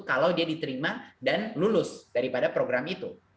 kalau dia diterima dan lulus daripada program itu